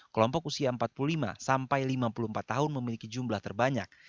kelompok usia empat puluh lima sampai lima puluh empat tahun memiliki jumlah terbanyak